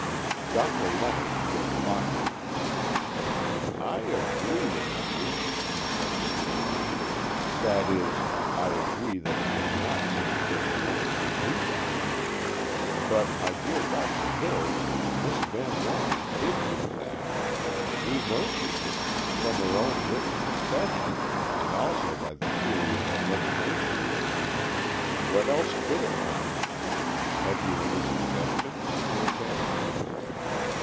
Doctor Leonard looked thoughtful. "I agree with you," he said slowly; "that is, I agree that it does not seem as if a woman could do that. But, my dear Doctor Hills, Miss Van Norman did do that. We know she did, from her own written confession, and also by the theory of elimination. What else could have happened? Have you any suggestion to advance?"